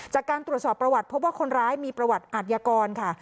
จากการตรวจสอบประวัติพบว่าคนร้ายมีประวัติอาทยากรค่ะ